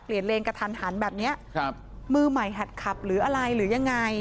เลนกระทันหันแบบเนี้ยครับมือใหม่หัดขับหรืออะไรหรือยังไง